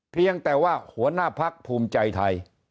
เพียงแต่ว่าหัวหน้าพักภูมิใจไทย